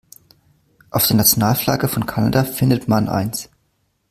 Auf der Nationalflagge von Kanada findet man eins.